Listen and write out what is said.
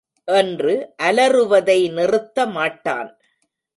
என்று அலறுவதை நிறுத்த மாட்டான்.